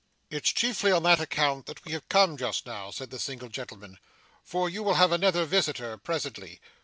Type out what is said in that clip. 'It's chiefly on that account that we have come just now,' said the single gentleman, 'for you will have another visitor presently.